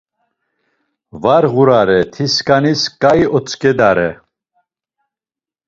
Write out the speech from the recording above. Var ğurare, tiskanis ǩai otzǩedare.